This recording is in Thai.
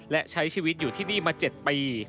และใช้ชีวิตอยู่ที่นี่มา๗ปี